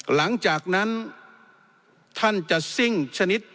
หลังจากนั้นท่านจะซิ่งชนิด